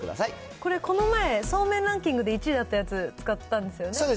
これ、この前、そうめんランキングで１位だったやつ、使ったんですよね。